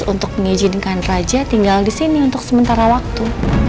untuk mengizinkan raja tinggal di sini untuk sementara waktu